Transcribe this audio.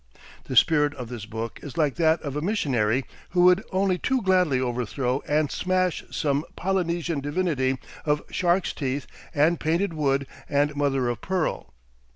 The spirit of this book is like that of a missionary who would only too gladly overthrow and smash some Polynesian divinity of shark's teeth and painted wood and mother of pearl.